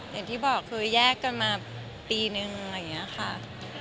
อย่างที่บอกคือแยกกันมาปีนึงอะไรอย่างนี้ค่ะ